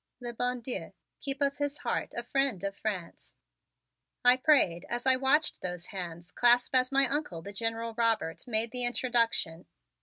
"Le bon Dieu keep of his heart a friend of France," I prayed as I watched those hands clasp as my Uncle, the General Robert, made the introduction.